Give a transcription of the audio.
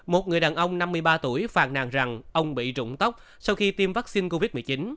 một người đàn ông năm mươi ba tuổi phàn nàn rằng ông bị trụng tóc sau khi tiêm vaccine covid một mươi chín